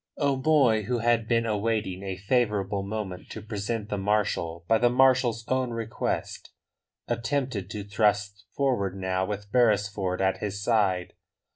O'Moy, who had been awaiting a favourable moment to present the marshal by the marshal's own request, attempted to thrust forward now with Beresford at his side.